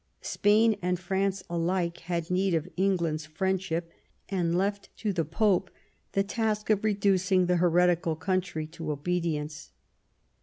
Spain and France alike had need of England's friendship, and left to the Pope the task of reducing that heretical country to obedience.